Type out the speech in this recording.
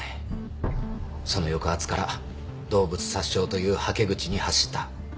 その抑圧から動物殺傷というはけ口に走った。